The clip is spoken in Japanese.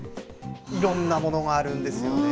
いろんなものがあるんですよね。